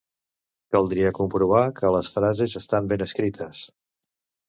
Caldria comprovar que les frases estan ben escrites.